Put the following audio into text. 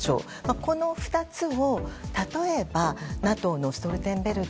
この２つを、例えばＮＡＴＯのストルテンベルグ